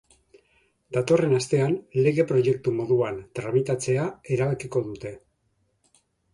Datorren astean lege proiektu moduan tramitatzea erabakiko dute.